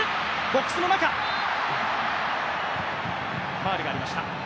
ファウルがありました。